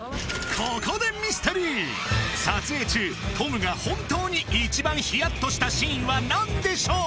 ここでミステリー撮影中トムが本当に一番ヒヤッとしたシーンは何でしょう？